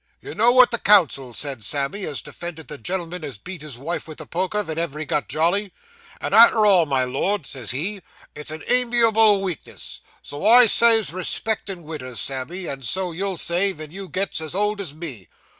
You know what the counsel said, Sammy, as defended the gen'l'm'n as beat his wife with the poker, venever he got jolly. "And arter all, my Lord," says he, "it's a amiable weakness." So I says respectin' widders, Sammy, and so you'll say, ven you gets as old as me.